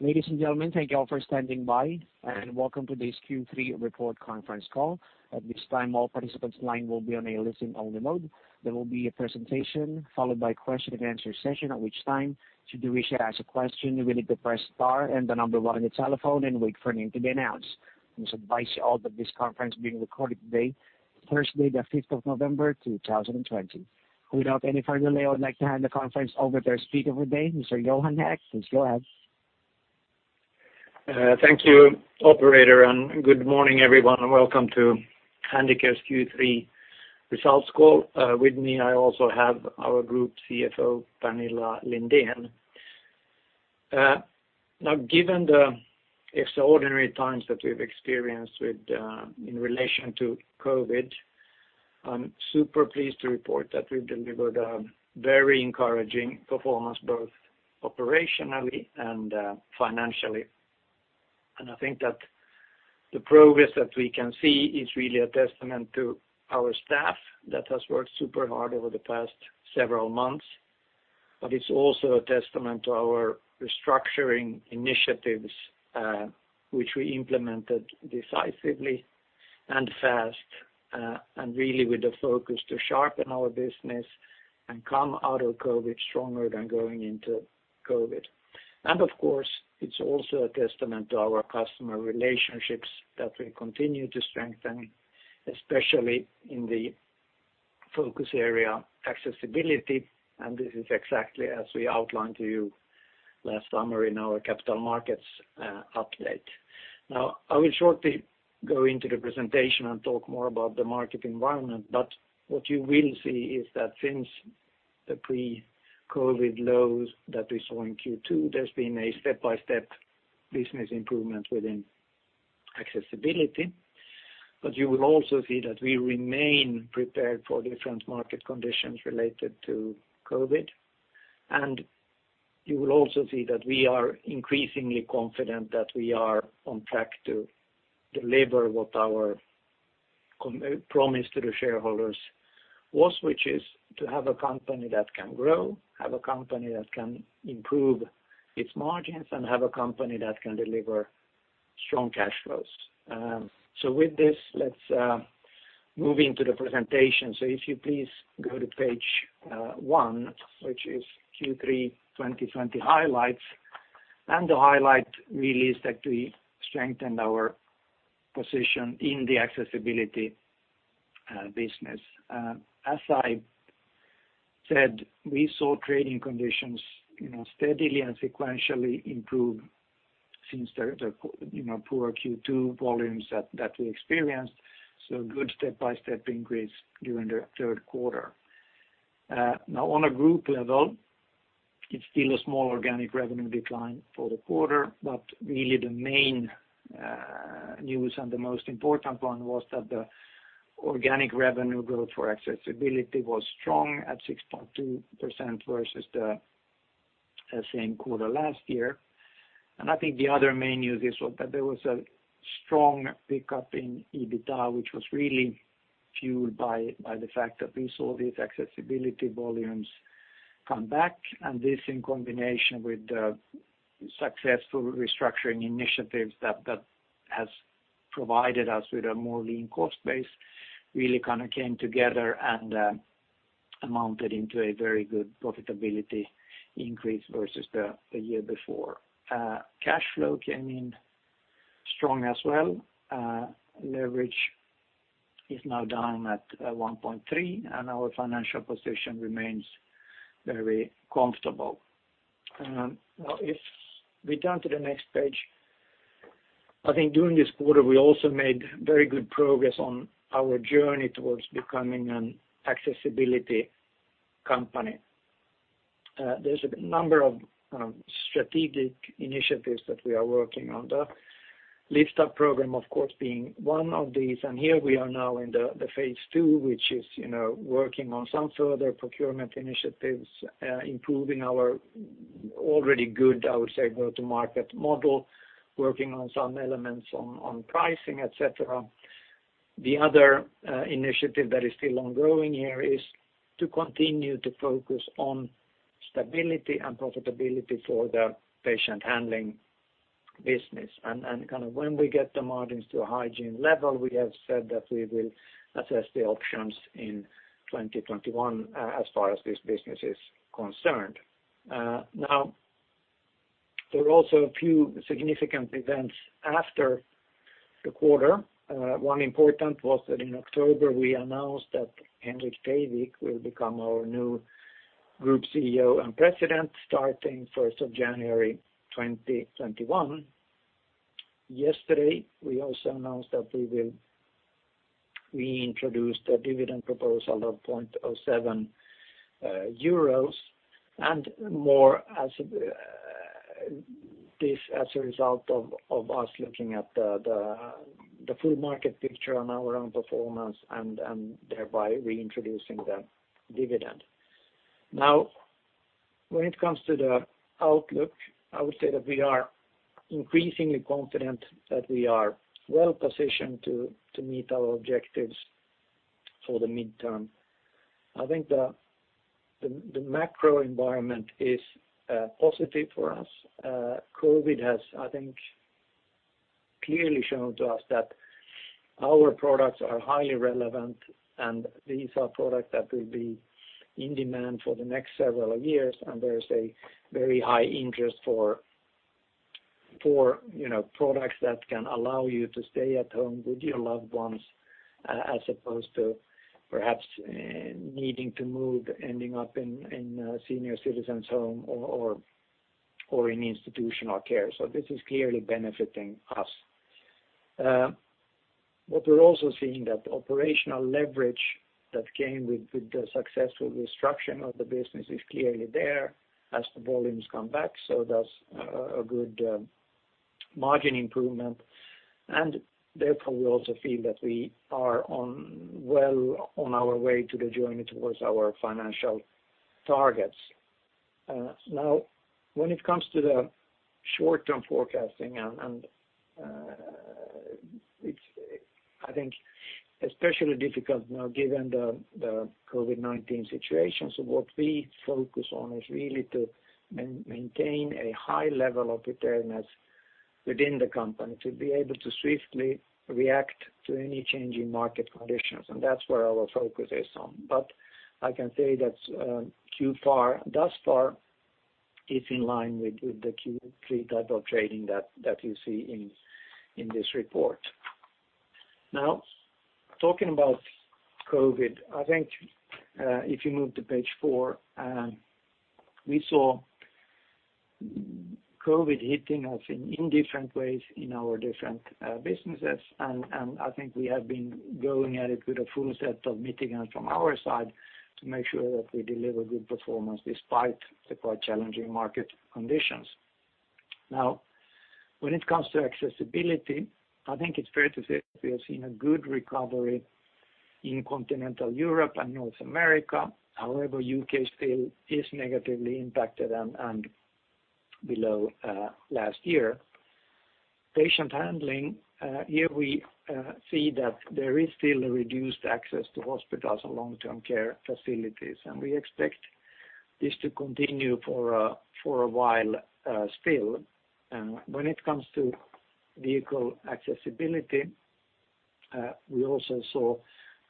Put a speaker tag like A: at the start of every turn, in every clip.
A: Ladies and gentlemen, thank you all for standing by, and welcome to this Q3 report conference call. At this time, all participants' line will be on a listen-only mode. There will be a presentation followed by question-and-answer session, at which time, should you wish to ask a question, you will need to press star and the number one on your telephone and wait for your name to be announced. I must advise you all that this conference is being recorded today, Thursday, the 5th of November, 2020. Without any further delay, I would like to hand the conference over to our speaker for today, Mr. Johan Ek. Please go ahead.
B: Thank you, operator, and good morning, everyone, and welcome to Handicare's Q3 results call. With me, I also have our group CFO, Pernilla Lindén. Now, given the extraordinary times that we've experienced in relation to COVID, I'm super pleased to report that we've delivered a very encouraging performance, both operationally and financially. I think that the progress that we can see is really a testament to our staff that has worked super hard over the past several months, but it's also a testament to our restructuring initiatives, which we implemented decisively and fast, and really with the focus to sharpen our business and come out of COVID stronger than going into COVID. Of course, it's also a testament to our customer relationships that we continue to strengthen, especially in the focus area accessibility, and this is exactly as we outlined to you last summer in our capital markets update. I will shortly go into the presentation and talk more about the market environment, but what you will see is that since the pre-COVID-19 lows that we saw in Q2, there's been a step-by-step business improvement within accessibility. You will also see that we remain prepared for different market conditions related to COVID-19. You will also see that we are increasingly confident that we are on track to deliver what our promise to the shareholders was, which is to have a company that can grow, have a company that can improve its margins, and have a company that can deliver strong cash flows. With this, let's move into the presentation. If you please go to page one, which is Q3 2020 highlights. The highlight really is that we strengthened our position in the Accessibility business. As I said, we saw trading conditions steadily and sequentially improve since the poor Q2 volumes that we experienced, so good step-by-step increase during the third quarter. Now, on a group level, it's still a small organic revenue decline for the quarter, but really the main news and the most important one was that the organic revenue growth for Accessibility was strong at 6.2% versus the same quarter last year. I think the other main news is that there was a strong pickup in EBITDA, which was really fueled by the fact that we saw these Accessibility volumes come back, and this in combination with the successful restructuring initiatives that has provided us with a more lean cost base, really came together and amounted into a very good profitability increase versus the year before. Cash flow came in strong as well. Leverage is now down at 1.3, and our financial position remains very comfortable. Now, if we turn to the next page, I think during this quarter, we also made very good progress on our journey towards becoming an Accessibility company. There's a number of strategic initiatives that we are working on. The Lift Up Program, of course, being one of these, here we are now in the phase two, which is working on some further procurement initiatives, improving our already good, I would say, go-to-market model, working on some elements on pricing, et cetera. The other initiative that is still ongoing here is to continue to focus on stability and profitability for the Patient Handling business. When we get the margins to a hygiene level, we have said that we will assess the options in 2021 as far as this business is concerned. There are also a few significant events after the quarter. One important was that in October, we announced that Henrik Teiwik will become our new Group CEO and President starting January 1, 2021. Yesterday, we also announced that we introduced a dividend proposal of 0.07 euros, and more this as a result of us looking at the full market picture on our own performance and thereby reintroducing the dividend. Now, when it comes to the outlook, I would say that we are increasingly confident that we are well-positioned to meet our objectives for the midterm. I think the macro environment is positive for us. COVID has, I think, clearly shown to us that our products are highly relevant, and these are products that will be in demand for the next several years. There is a very high interest for products that can allow you to stay at home with your loved ones as opposed to perhaps needing to move, ending up in a senior citizen's home or in institutional care. This is clearly benefiting us. What we're also seeing that the operational leverage that came with the successful restructuring of the business is clearly there as the volumes come back, so that's a good margin improvement. Therefore, we also feel that we are well on our way to the journey towards our financial targets. Now, when it comes to the short-term forecasting and it's, I think, especially difficult now given the COVID-19 situation. What we focus on is really to maintain a high level of preparedness within the company to be able to swiftly react to any change in market conditions. That's where our focus is on. I can say that thus far it's in line with the Q3 type of trading that you see in this report. Talking about COVID-19, I think if you move to page four we saw COVID-19 hitting us in different ways in our different businesses. I think we have been going at it with a full set of mitigants from our side to make sure that we deliver good performance despite the quite challenging market conditions. When it comes to Accessibility, I think it is fair to say that we have seen a good recovery in continental Europe and North America. U.K. still is negatively impacted and below last year. Patient Handling, here we see that there is still a reduced access to hospitals and long-term care facilities, and we expect this to continue for a while still. When it comes to Vehicle Accessibility we also saw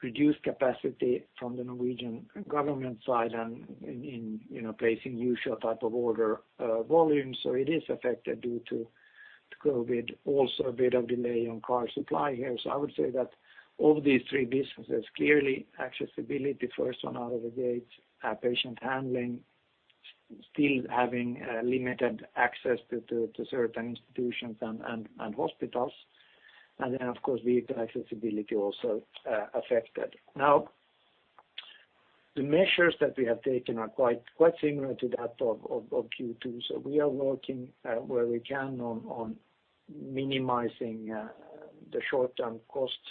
B: reduced capacity from the Norwegian government side and in placing usual type of order volumes. It is affected due to COVID-19. A bit of delay on car supply here. I would say that of these three businesses, clearly Accessibility first one out of the gate, Patient Handling still having limited access to certain institutions and hospitals. Of course, Vehicle Accessibility also affected. The measures that we have taken are quite similar to that of Q2. We are working where we can on minimizing the short-term cost.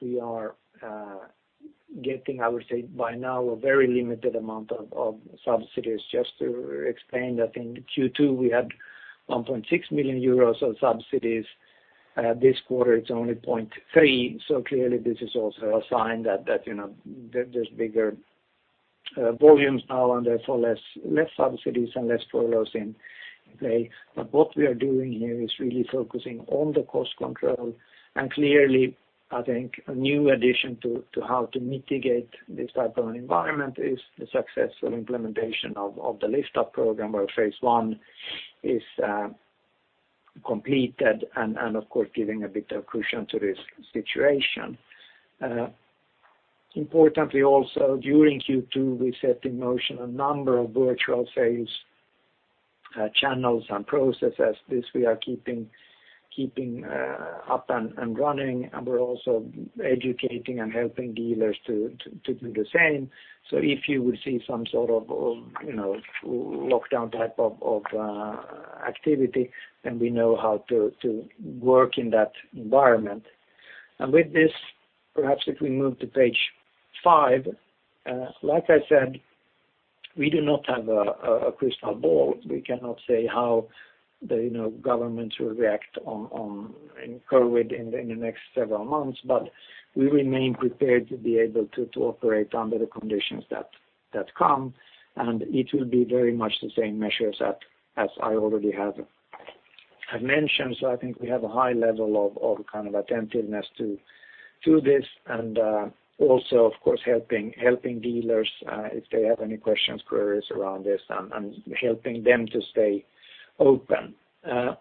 B: We are getting, I would say, by now a very limited amount of subsidies just to explain that in Q2 we had EUR 1.6 million of subsidies. This quarter it's only 0.3. Clearly this is also a sign that there's bigger volumes now and therefore less subsidies and less furloughs in play. What we are doing here is really focusing on the cost control. Clearly, I think a new addition to how to mitigate this type of an environment is the successful implementation of the Lift Up Program where phase one is completed and of course giving a bit of cushion to this situation. Importantly also during Q2, we set in motion a number of virtual sales channels and processes. This we are keeping up and running, and we're also educating and helping dealers to do the same. If you would see some sort of lockdown type of activity, then we know how to work in that environment. With this, perhaps if we move to page five. Like I said, we do not have a crystal ball. We cannot say how the governments will react on COVID in the next several months, but we remain prepared to be able to operate under the conditions that come, and it will be very much the same measures as I already have mentioned. I think we have a high level of kind of attentiveness to this and also of course helping dealers if they have any questions, queries around this and helping them to stay open.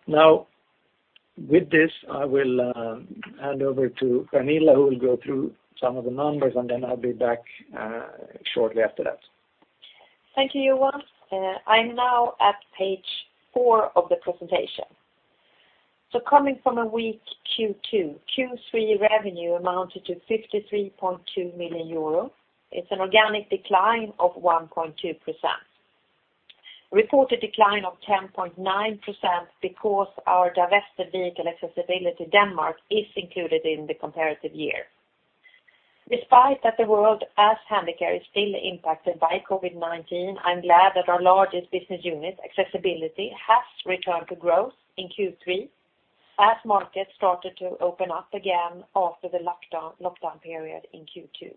B: Now with this, I will hand over to Pernilla, who will go through some of the numbers, and then I'll be back shortly after that.
C: Thank you, Johan. I'm now at page four of the presentation. Coming from a weak Q2, Q3 revenue amounted to 53.2 million euros. It's an organic decline of 1.2%. Reported decline of 10.9% because our divested Vehicle Accessibility Denmark is included in the comparative year. Despite that the world as Handicare is still impacted by COVID-19, I'm glad that our largest business unit, Accessibility, has returned to growth in Q3. As markets started to open up again after the lockdown period in Q2.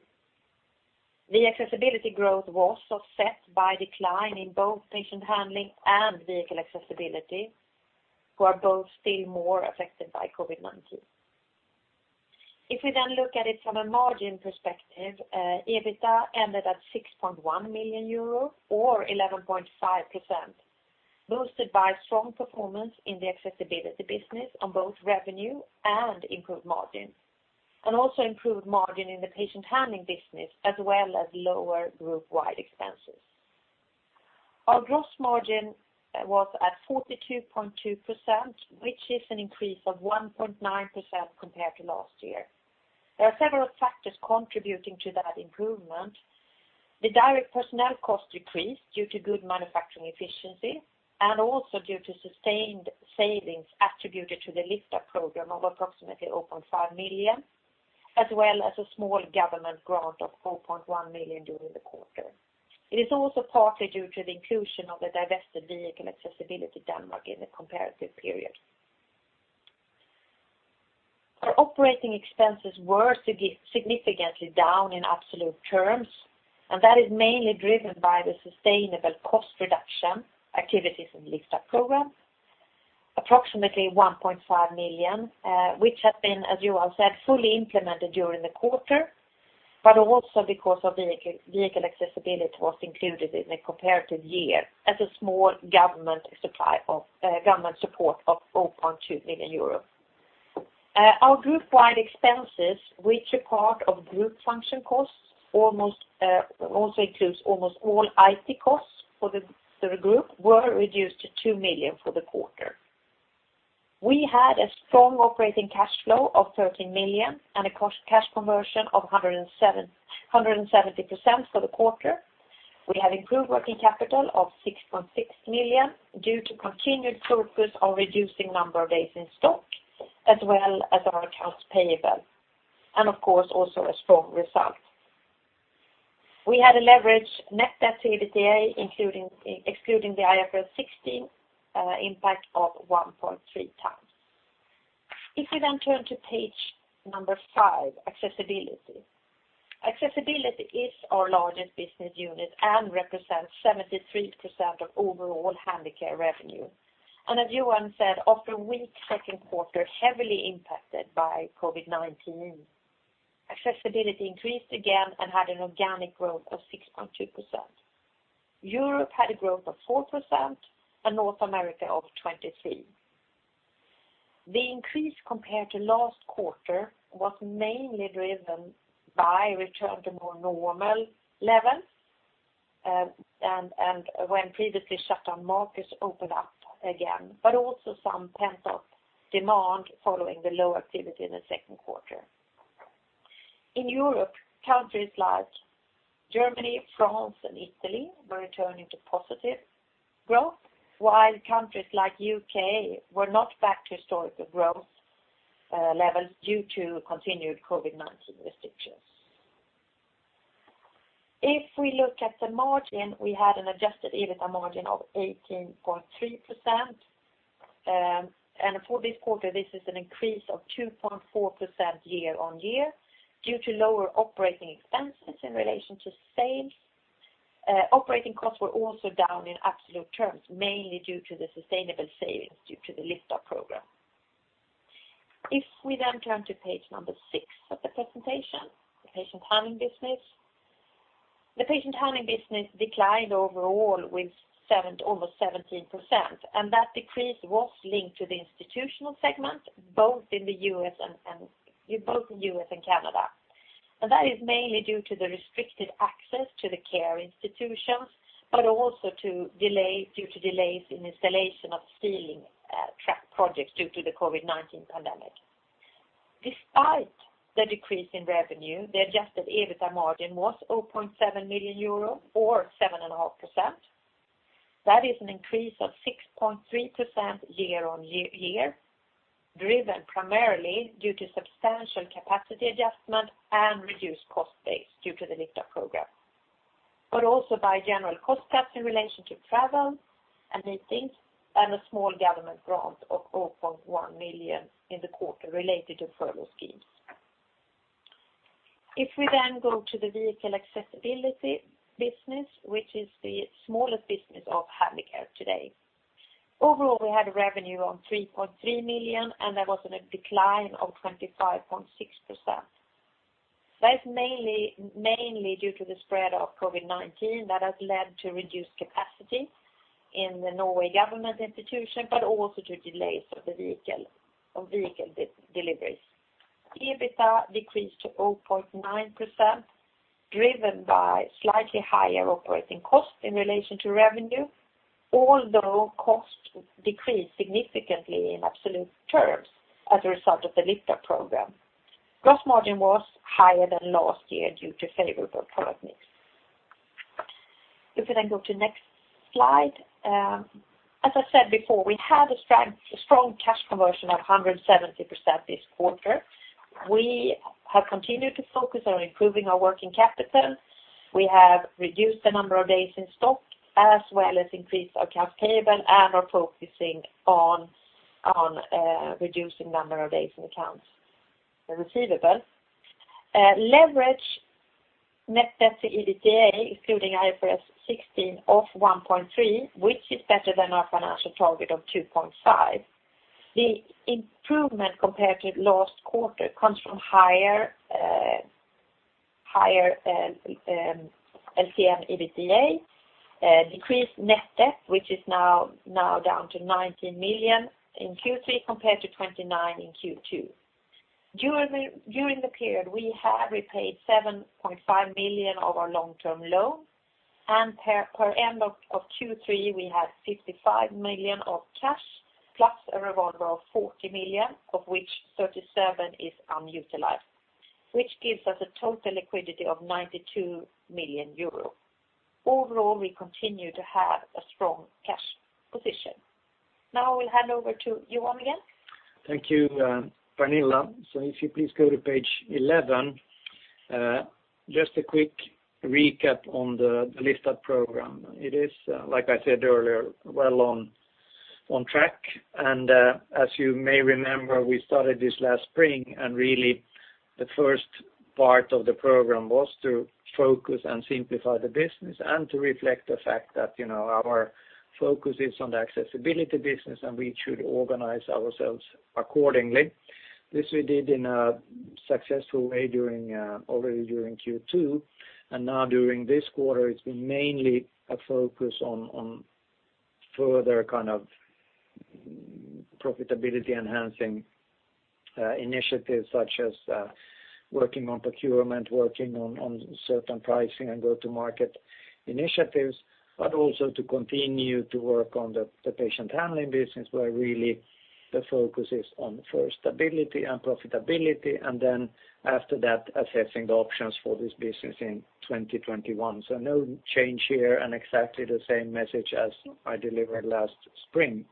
C: The Accessibility growth was offset by decline in both Patient Handling and Vehicle Accessibility, who are both still more affected by COVID-19. If we then look at it from a margin perspective, EBITDA ended at 6.1 million euro or 11.5%, boosted by strong performance in the accessibility business on both revenue and improved margin, and also improved margin in the patient handling business, as well as lower group-wide expenses. Our gross margin was at 42.2%, which is an increase of 1.9% compared to last year. There are several factors contributing to that improvement. The direct personnel cost decreased due to good manufacturing efficiency and also due to sustained savings attributed to the Lift Up Program of approximately 0.5 million, as well as a small government grant of 4.1 million during the quarter. It is also partly due to the inclusion of the divested Vehicle Accessibility Denmark in the comparative period. Our operating expenses were significantly down in absolute terms, and that is mainly driven by the sustainable cost reduction activities in Lift Up Program. Approximately 1.5 million, which has been, as Johan said, fully implemented during the quarter, but also because of vehicle accessibility was included in the comparative year as a small government support of 0.2 million euros. Our group-wide expenses, which are part of group function costs, also includes almost all IT costs for the group, were reduced to two million for the quarter. We had a strong operating cash flow of 13 million and a cash conversion of 170% for the quarter. We have improved working capital of 6.6 million due to continued focus on reducing number of days in stock, as well as our accounts payable, and of course, also a strong result. We had a leverage net debt to EBITDA excluding the IFRS 16 impact of 1.3x. If we then turn to page number five, Accessibility. Accessibility is our largest business unit and represents 73% of overall Handicare revenue. As Johan said, after a weak second quarter, heavily impacted by COVID-19, Accessibility increased again and had an organic growth of 6.2%. Europe had a growth of 4% and North America of 23%. The increase compared to last quarter was mainly driven by return to more normal levels, and when previously shut down markets opened up again, but also some pent up demand following the low activity in the second quarter. In Europe, countries like Germany, France, and Italy were returning to positive growth, while countries like U.K. were not back to historical growth levels due to continued COVID-19 restrictions. If we look at the margin, we had an adjusted EBITDA margin of 18.3%, and for this quarter, this is an increase of 2.4% year-over-year due to lower operating expenses in relation to sales. Operating costs were also down in absolute terms, mainly due to the sustainable savings due to the Lift Up Program. If we then turn to page number six of the presentation, the Patient Handling business. The Patient Handling business declined overall with over 17%, and that decrease was linked to the institutional segment, both in U.S. and Canada. That is mainly due to the restricted access to the care institutions, but also due to delays in installation of ceiling track projects due to the COVID-19 pandemic. Despite the decrease in revenue, the adjusted EBITDA margin was 0.7 million euro or 7.5%. That is an increase of 6.3% year-on-year, driven primarily due to substantial capacity adjustment and reduced cost base due to the Lift Up Program, but also by general cost cuts in relation to travel and meetings and a small government grant of 0.1 million in the quarter related to furlough schemes. We then go to the Vehicle Accessibility business, which is the smallest business of Handicare today. Overall, we had a revenue of 3.3 million, and that was on a decline of 25.6%. That is mainly due to the spread of COVID-19 that has led to reduced capacity in the Norway government institution, but also to delays of vehicle deliveries. EBITDA decreased to 0.9%, driven by slightly higher operating costs in relation to revenue, although costs decreased significantly in absolute terms as a result of the Lift Up Program. Gross margin was higher than last year due to favorable product mix. If we then go to next slide. As I said before, we had a strong cash conversion of 170% this quarter. We have continued to focus on improving our working capital. We have reduced the number of days in stock, as well as increased our accounts payable and are focusing on reducing number of days in accounts receivable. Leverage, net debt to EBITDA, including IFRS 16 of 1.3, which is better than our financial target of 2.5. The improvement compared to last quarter comes from higher LTM EBITDA, decreased net debt, which is now down to EUR 19 million in Q3 compared to EUR 29 million in Q2. During the period, we have repaid EUR 7.5 million of our long-term loan, and per end of Q3, we had EUR 55 million of cash plus a revolver of EUR 40 million, of which EUR 37 million is unutilized, which gives us a total liquidity of EUR 92 million. Overall, we continue to have a strong cash position. Now I will hand over to Johan again.
B: Thank you, Pernilla. If you please go to page 11, just a quick recap on the Lift Up Program. It is, like I said earlier, well on track. As you may remember, we started this last spring, and really the first part of the program was to focus and simplify the business and to reflect the fact that our focus is on the Accessibility business, and we should organize ourselves accordingly. This we did in a successful way already during Q2, and now during this quarter, it's been mainly a focus on further profitability-enhancing initiatives, such as working on procurement, working on certain pricing and go-to-market initiatives, but also to continue to work on the Patient Handling business, where really the focus is on first stability and profitability, and then after that, assessing the options for this business in 2021. No change here, and exactly the same message as I delivered last spring.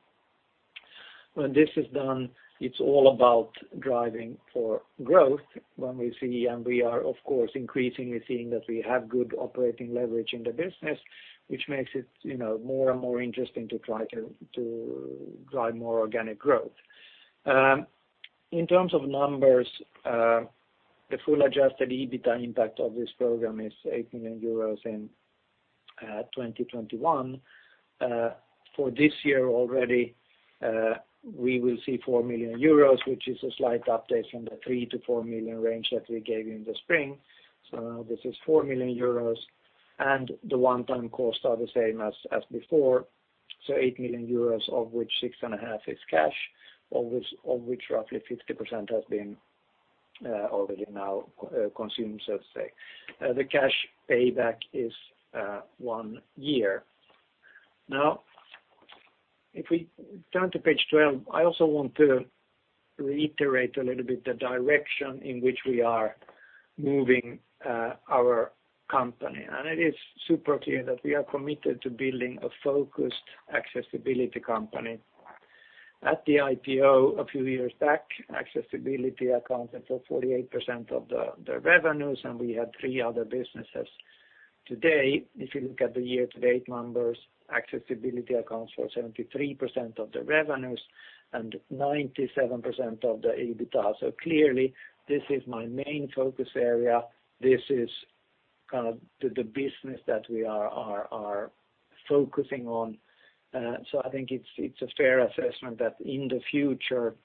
B: When this is done, it's all about driving for growth when we see, and we are, of course, increasingly seeing that we have good operating leverage in the business, which makes it more and more interesting to try to drive more organic growth. In terms of numbers, the full adjusted EBITDA impact of this program is 8 million euros in 2021. For this year already, we will see 4 million euros, which is a slight update from the 3 million-4 million range that we gave you in the spring. Now this is 4 million euros, and the one-time costs are the same as before, so 8 million euros of which 6.5 million is cash, of which roughly 50% has been already now consumed, so to say. The cash payback is one year. Now, if we turn to page 12, I also want to reiterate a little bit the direction in which we are moving our company. It is super clear that we are committed to building a focused accessibility company. At the IPO a few years back, accessibility accounted for 48% of the revenues, and we had three other businesses. Today, if you look at the year-to-date numbers, accessibility accounts for 73% of the revenues and 97% of the EBITDA. Clearly, this is my main focus area. This is the business that we are focusing on. I think it's a fair assessment that in the future,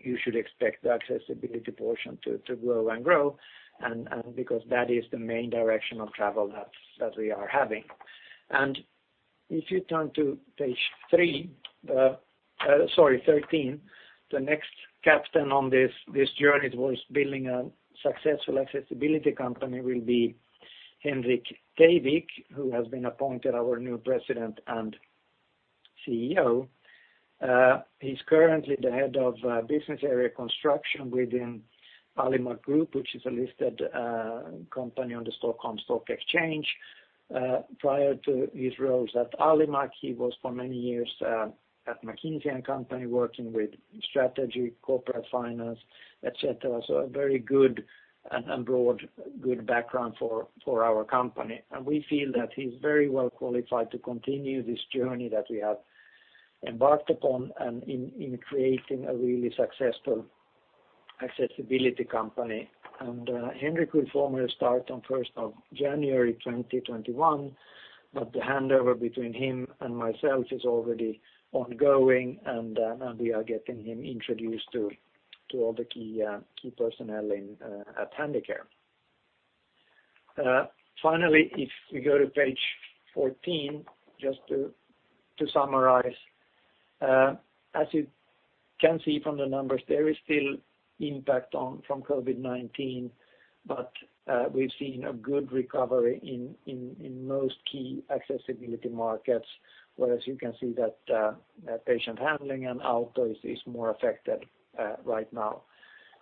B: you should expect the accessibility portion to grow and grow, because that is the main direction of travel that we are having. If you turn to page 13, the next captain on this journey towards building a successful accessibility company will be Henrik Teiwik, who has been appointed our new President and CEO. He's currently the head of business area construction within Alimak Group, which is a listed company on the Stockholm Stock Exchange. Prior to his roles at Alimak, he was for many years at McKinsey & Company, working with strategy, corporate finance, et cetera. A very good and broad good background for our company. We feel that he's very well qualified to continue this journey that we have embarked upon in creating a really successful accessibility company. Henrik will formally start on 1st of January 2021, but the handover between him and myself is already ongoing, and we are getting him introduced to all the key personnel at Handicare. Finally, if we go to page 14, just to summarize. As you can see from the numbers, there is still impact from COVID-19, but we've seen a good recovery in most key accessibility markets, whereas you can see that patient handling and auto is more affected right now.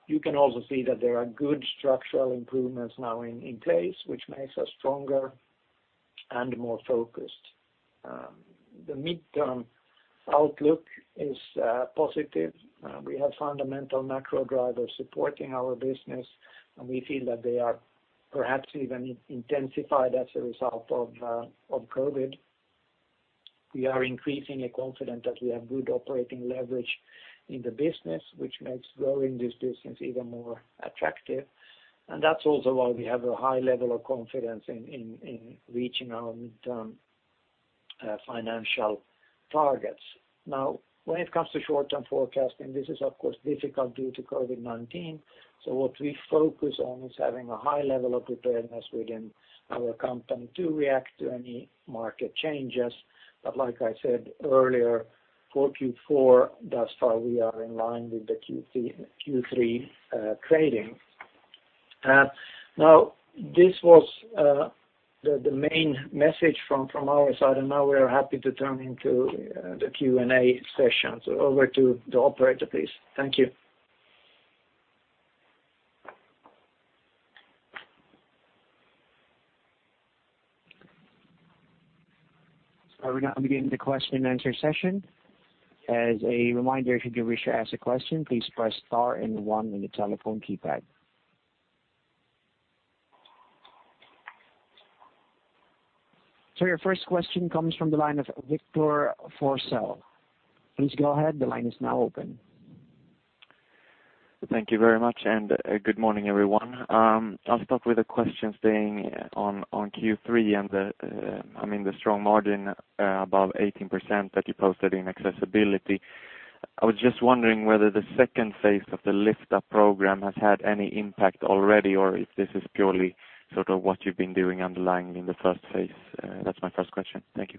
B: You can also see that there are good structural improvements now in place, which makes us stronger and more focused. The midterm outlook is positive. We have fundamental macro drivers supporting our business, and we feel that they are perhaps even intensified as a result of COVID. We are increasingly confident that we have good operating leverage in the business, which makes growing this business even more attractive. That's also why we have a high level of confidence in reaching our midterm financial targets. Now, when it comes to short-term forecasting, this is of course difficult due to COVID-19. What we focus on is having a high level of preparedness within our company to react to any market changes. Like I said earlier, for Q4, thus far, we are in line with the Q3 trading. Now, this was the main message from our side, and now we are happy to turn to the Q&A session. Over to the operator, please. Thank you.
A: We're now beginning the question and answer session. As a reminder, if you wish to ask a question, please press star and one on your telephone keypad. Your first question comes from the line of Victor Forssell. Please go ahead. The line is now open.
D: Thank you very much, and good morning, everyone. I'll start with a question staying on Q3 and the strong margin above 18% that you posted in Accessibility. I was just wondering whether the second phase of the Lift Up Program has had any impact already or if this is purely what you've been doing underlying in the first phase. That's my first question. Thank you.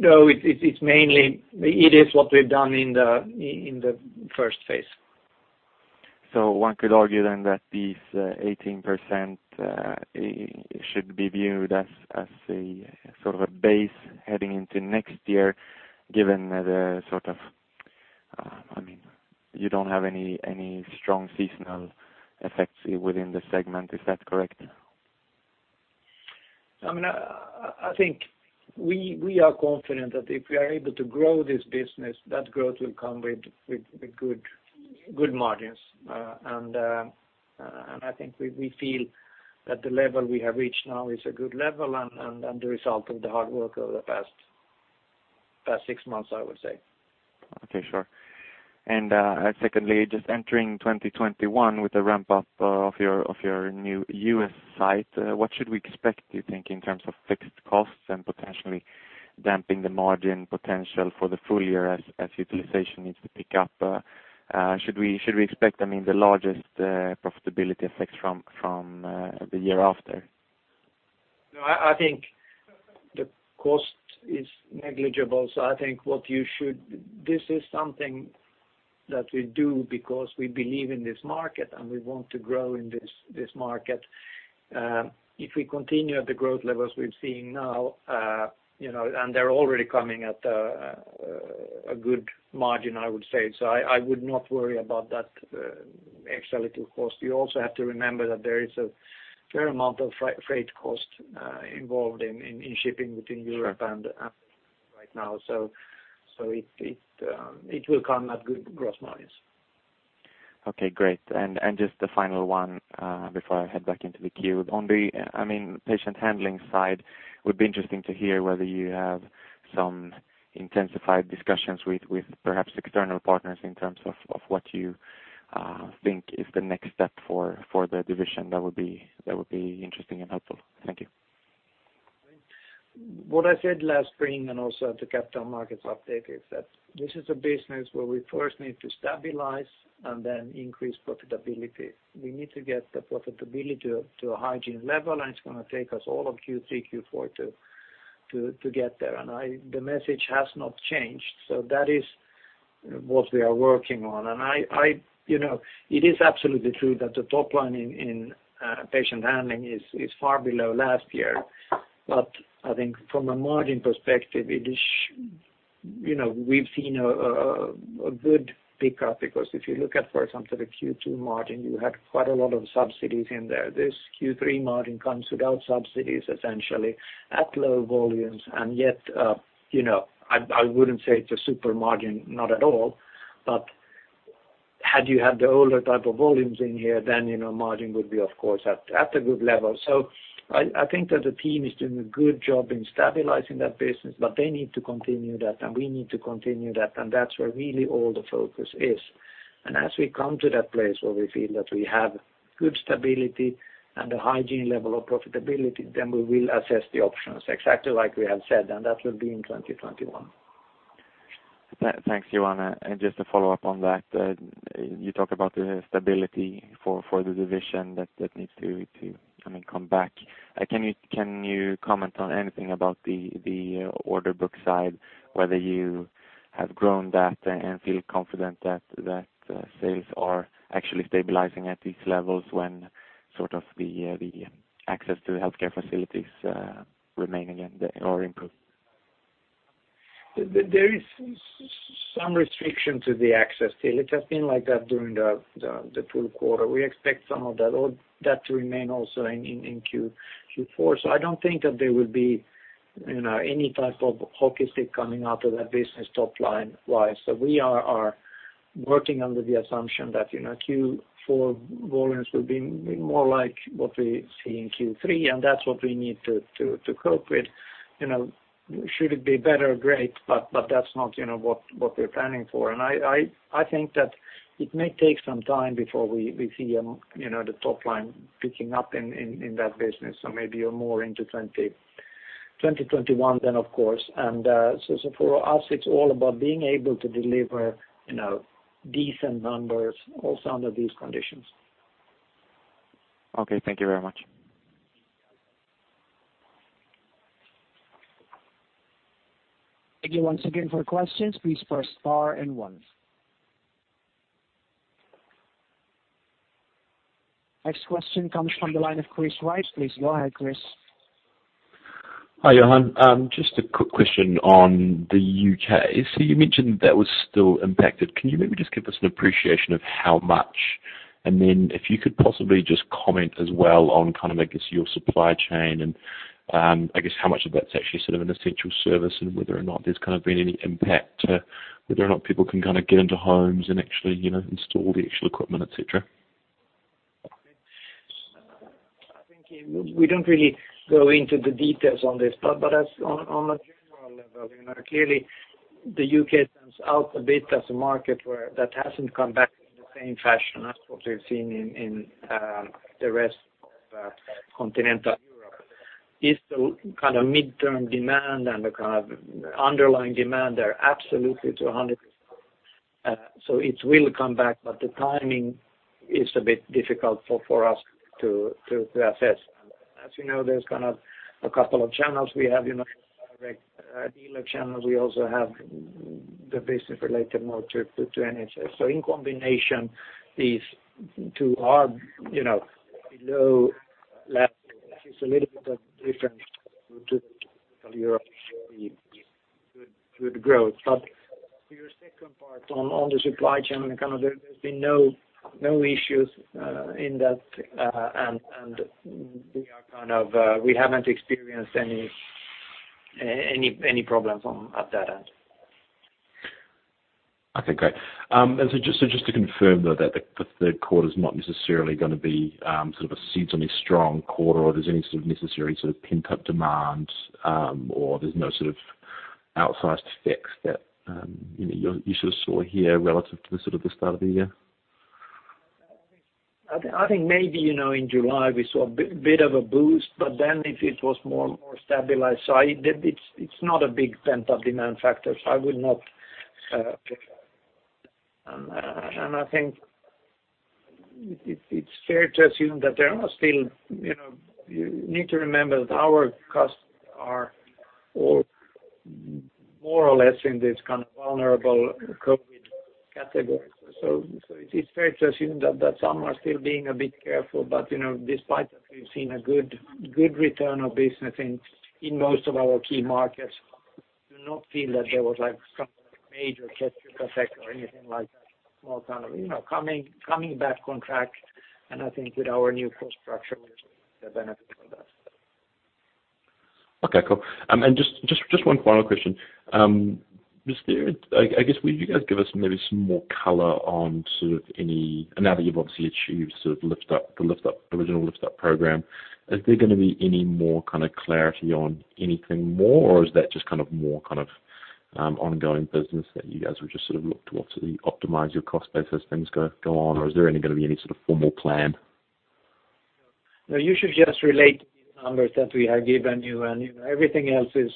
B: No, it is what we've done in the first phase.
D: One could argue then that this 18% should be viewed as a base heading into next year, given that you don't have any strong seasonal effects within the segment. Is that correct?
B: I think we are confident that if we are able to grow this business, that growth will come with good margins. I think we feel that the level we have reached now is a good level and the result of the hard work over the past six months, I would say.
D: Okay, sure. Secondly, just entering 2021 with the ramp-up of your new U.S. site, what should we expect, do you think, in terms of fixed costs and potentially damping the margin potential for the full year as utilization needs to pick up? Should we expect the largest profitability effects from the year after?
B: No, I think the cost is negligible. I think this is something that we do because we believe in this market and we want to grow in this market. If we continue at the growth levels we're seeing now, and they're already coming at a good margin, I would say. I would not worry about that extra little cost. You also have to remember that there is a fair amount of freight cost involved in shipping between Europe and right now. It will come at good gross margins.
D: Okay, great. Just the final one before I head back into the queue. On the patient handling side, would be interesting to hear whether you have some intensified discussions with perhaps external partners in terms of what you think is the next step for the division. That would be interesting and helpful. Thank you.
B: What I said last spring and also at the capital markets update is that this is a business where we first need to stabilize and then increase profitability. We need to get the profitability to a hygiene level, and it's going to take us all of Q3, Q4 to get there. The message has not changed. That is what we are working on. It is absolutely true that the top line in Patient Handling is far below last year. I think from a margin perspective, we've seen a good pickup because if you look at, for example, the Q2 margin, you had quite a lot of subsidies in there. This Q3 margin comes without subsidies, essentially at low volumes. Yet I wouldn't say it's a super margin, not at all. had you had the older type of volumes in here, then margin would be, of course, at a good level. I think that the team is doing a good job in stabilizing that business, but they need to continue that, and we need to continue that, and that's where really all the focus is. As we come to that place where we feel that we have good stability and a hygiene level of profitability, then we will assess the options exactly like we have said, and that will be in 2021.
D: Thanks, Johan. Just to follow up on that, you talk about the stability for the division that needs to come back. Can you comment on anything about the order book side, whether you have grown that and feel confident that sales are actually stabilizing at these levels when the access to healthcare facilities remain again or improve?
B: There is some restriction to the access still. It has been like that during the full quarter. We expect some of that to remain also in Q4. I don't think that there will be any type of hockey stick coming out of that business top-line wise. We are working under the assumption that Q4 volumes will be more like what we see in Q3, and that's what we need to cope with. Should it be better, great, but that's not what we're planning for. I think that it may take some time before we see the top line picking up in that business. Maybe you're more into 2021 then, of course. For us, it's all about being able to deliver decent numbers also under these conditions.
D: Okay. Thank you very much.
A: Thank you once again for questions, please press star and one. Next question comes from the line of Chris. Please go ahead, Chris.
E: Hi, Johan. Just a quick question on the U.K. You mentioned that was still impacted. Can you maybe just give us an appreciation of how much, and then if you could possibly just comment as well on kind of, I guess, your supply chain and, I guess how much of that's actually sort of an essential service and whether or not there's kind of been any impact to whether or not people can kind of get into homes and actually install the actual equipment, et cetera?
B: Okay. I think we don't really go into the details on this, but on a general level, clearly the U.K. stands out a bit as a market where that hasn't come back in the same fashion as what we've seen in the rest of continental Europe. It's the kind of midterm demand and the kind of underlying demand there absolutely to 100%. It will come back, but the timing is a bit difficult for us to assess. As you know, there's kind of a couple of channels we have, direct dealer channels. We also have the business related more to NHS. In combination, these two are below last year, which is a little bit of difference to the typical Europe story with good growth. To your second part on the supply chain and kind of there's been no issues in that. We haven't experienced any problems at that end.
E: Okay, great. Just to confirm, though, that the third quarter's not necessarily going to be sort of a seasonally strong quarter or there's any sort of necessary sort of pent-up demand, or there's no sort of outsized effects that you sort of saw here relative to the sort of the start of the year?
B: I think maybe in July we saw a bit of a boost, but then it was more stabilized. It's not a big pent-up demand factor, so I would not. I think it's fair to assume that there are still. You need to remember that our customers are all more or less in this kind of vulnerable COVID-19 category. It's fair to assume that some are still being a bit careful. Despite that, we've seen a good return of business in most of our key markets. I do not feel that there was like some major catch-up effect or anything like that. More kind of coming back on track. I think with our new cost structure, we're going to benefit from that.
E: Okay, cool. Just one final question. I guess, will you guys give us maybe some more color on sort of any, and now that you've obviously achieved sort of the original Lift Up Program, is there going to be any more kind of clarity on anything more, or is that just kind of more kind of ongoing business that you guys would just sort of look towards to optimize your cost base as things go on, or is there going to be any sort of formal plan?
B: No. You should just relate to the numbers that we have given you and everything else is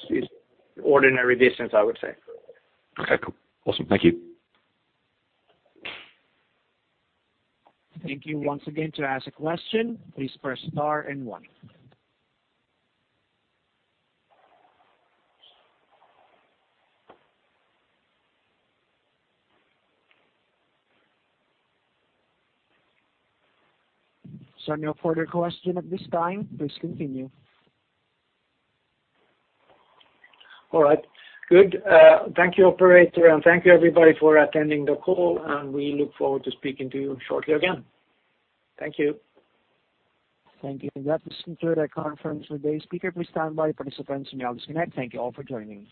B: ordinary business, I would say.
E: Okay, cool. Awesome. Thank you.
A: Thank you once again. To ask a question, please press star and one. So no further question at this time. Please continue.
B: All right, good. Thank you, operator, and thank you, everybody, for attending the call, and we look forward to speaking to you shortly again. Thank you.
A: Thank you. That does conclude our conference for today. Speaker, please stand by. Participants may now disconnect. Thank you all for joining.